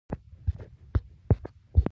هغې هوډ وکړ او شا ته یې ونه کتل.